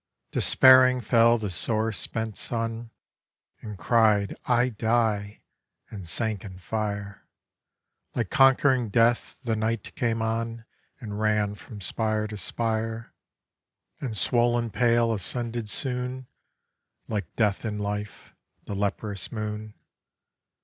Despairing fell the sore spent Sun, And cried, 'I die,' and sank in fire; Like conquering Death, the Night came on And ran from spire to spire; And swollen pale ascended soon, Like Death in Life, the leprous Moon.